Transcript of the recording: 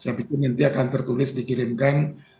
saya pikir nanti akan tertulis dikirimkan